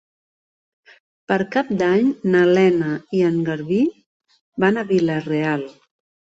Per Cap d'Any na Lena i en Garbí van a Vila-real.